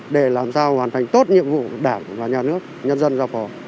để làm sao hoàn thành tốt nhiệm vụ đảng và nhà nước